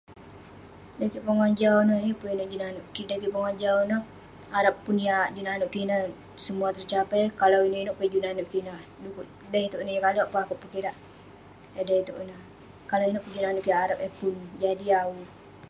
Dan kik pongah jau ineh, yeng pun inouk juk nanouk kik. Dan kik pongah jau ineh, arap pun yah juk nanouk kik ineh, semua tercapai. Kalau inouk-inouk peh yah juk nanouk kik ineh. Dai itouk ineh, yeng kalek peh akouk pekirak. Eh dai itouk ineh, kalau inouk peh juk nanouk kik, arep eh pun jadi awu.